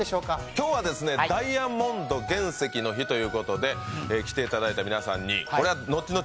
今日はダイヤモンド原石の日ということで来ていただいた皆さんに、これは後々